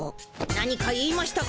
何か言いましたか？